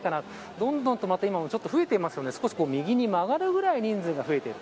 どんどんまた今も増えているので少し右に曲がるぐらい人数が増えている。